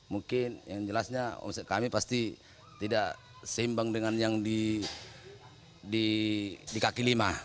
mungkin yang jelasnya omset kami pasti tidak seimbang dengan yang di kaki lima